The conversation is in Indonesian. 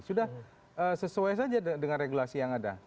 sudah sesuai saja dengan regulasi yang ada